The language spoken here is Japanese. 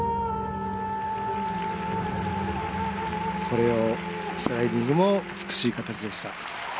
コレオスライディングも美しい形でした。